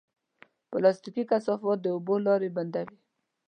پلاستيکي کثافات د اوبو لارې بندوي.